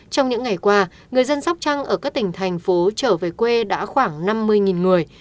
trong những ngày qua người dân sóc trăng ở các tỉnh thành phố trở về quê đã khoảng năm mươi người